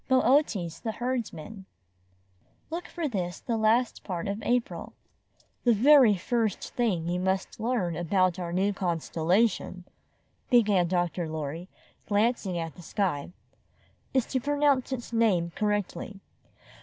BOOTES, THE HERDSMAN Look for this the last part of April "The very first thing you must learn about our new constellation," began Dr. Lorry, glancing at the sky, ''is to pronounce its name correctly.